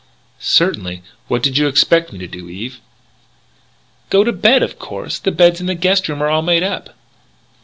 "Certainly. What did you expect me to do, Eve?" "Go to bed, of course. The beds in the guest rooms are all made up."